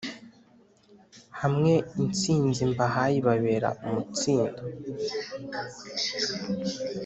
hamwe intsinzi mbahaye ibabera umutsindo